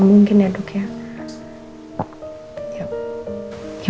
mungkin ya dok ya